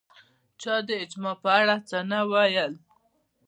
چا د اجماع په اړه څه نه ویل